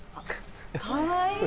かわいい！